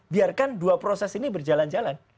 biarkan dua proses ini berjalan jalan